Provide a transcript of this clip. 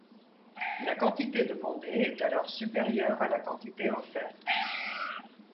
La quantité demandée est alors supérieure à la quantité offerte.